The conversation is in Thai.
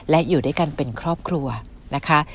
และอยู่ด้วยกันเป็นครอบครัวนะคะ